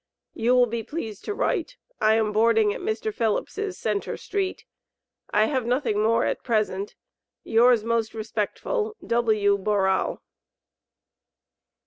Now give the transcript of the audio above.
You will be please to write. I am bording at Mr. Phillip's Centre Street. I have nothing more at present. Yours most respectfull. W. BOURAL.